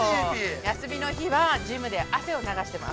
休みの日はジムで汗を流してます。